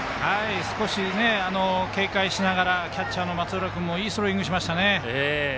少し警戒しながらキャッチャーの松浦君もいいスローイングしました。